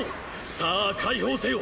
さァ解放せよ！